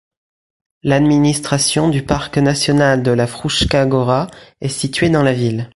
L'administration du parc national de la Fruška gora est situé dans la ville.